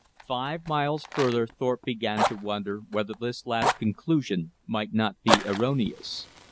Five miles further Thorpe began to wonder whether this last conclusion might not be erroneous.